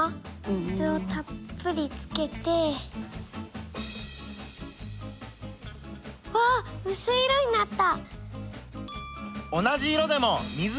水をたっぷりつけて。わうすい色になった！